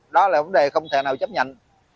đó là vấn đề không thể nào chấp nhận